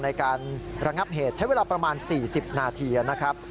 ในการระงับเหตุใช้เวลาประมาณ๔๐นาทีนะครับ